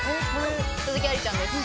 鈴木愛理ちゃんです。